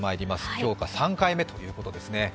今日が３回目ということですね。